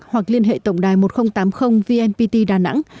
hoặc liên hệ tổng đài một nghìn tám mươi vnpt đà nẵng